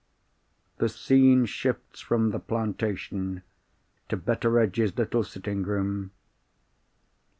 The scene shifts from the plantation, to Betteredge's little sitting room.